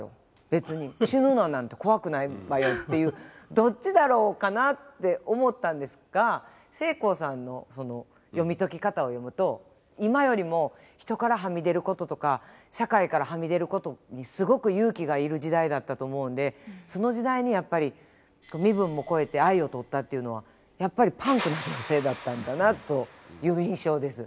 別に死ぬのなんて怖くないわよ」っていうどっちだろうかなって思ったんですがせいこうさんの読み解き方を読むと今よりも人からはみ出ることとか社会からはみ出ることにすごく勇気がいる時代だったと思うんでその時代にやっぱり身分もこえて愛をとったっていうのはやっぱりパンクな女性だったんだなという印象です。